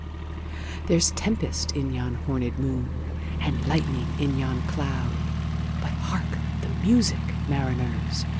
There's tempest in yon hornèd moon, And lightning in yon cloud:But hark the music, mariners!